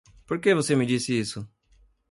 Por que você me disse isso?